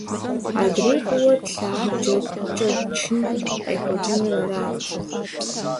Адрей фӀыуэ тлъагъу джэгукӀэр чын къехуэкӀыныр арат.